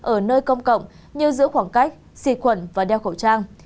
ở nơi công cộng như giữ khoảng cách xịt quẩn và đeo khẩu trang